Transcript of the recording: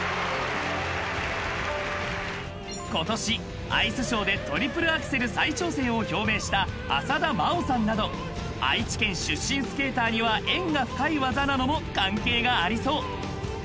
［今年アイスショーでトリプルアクセル再挑戦を表明した浅田真央さんなど愛知県出身スケーターには縁が深い技なのも関係がありそう］